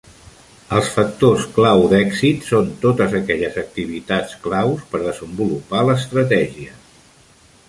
Els factors clau d'èxit són totes aquelles activitats claus per desenvolupar l'estratègia.